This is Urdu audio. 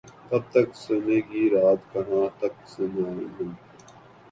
کب تک سنے گی رات کہاں تک سنائیں ہم